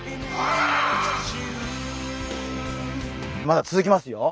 まだ続きますよ。